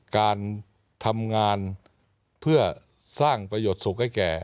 การทำงานเพื่อสร้างประโยชน์สุขให้แก่